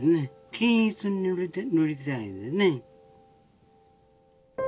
均一に塗りたいんでね。